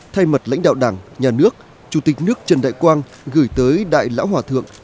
thay mặt lãnh đạo đảng nhà nước chủ tịch nước trần đại quang gửi tới đại lão hòa thượng